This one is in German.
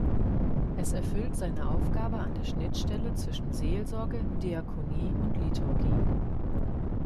Es erfüllt seine Aufgabe an der Schnittstelle zwischen Seelsorge, Diakonie und Liturgie.